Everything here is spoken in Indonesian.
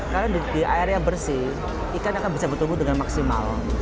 karena di air yang bersih ikan akan bisa bertumbuh dengan maksimal